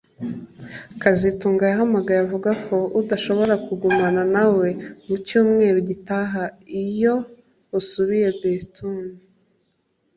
kazitunga yahamagaye avuga ko udashobora kugumana na we mu cyumweru gitaha iyo usuye Boston